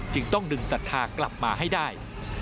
ต้องดึงศรัทธากลับมาให้ได้